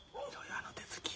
あの手つき。